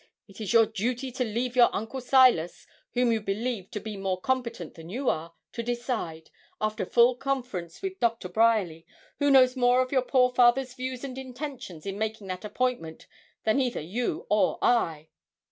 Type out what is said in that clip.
It is your duty to leave your uncle Silas, whom you believe to be more competent than you are, to decide, after full conference with Doctor Bryerly, who knows more of your poor father's views and intentions in making that appointment than either you or I.'